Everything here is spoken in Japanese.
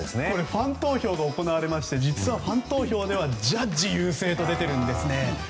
ファン投票が行われまして実はファン投票ではジャッジが優勢なんですよね。